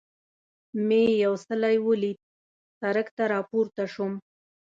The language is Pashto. مې یو څلی ولید، سړک ته را پورته شوم.